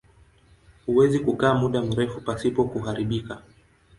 Huweza kukaa muda mrefu pasipo kuharibika.